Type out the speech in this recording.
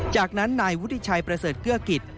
จากนั้นนายวุฒิชัยประเสริฐเกื้อกิจ